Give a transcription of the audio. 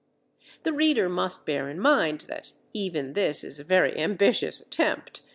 The reader must bear in mind that even this is a very ambitious attempt!